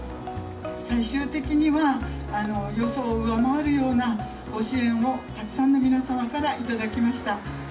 最終的には、予想を上回るようなご支援を、たくさんの皆様から頂きました。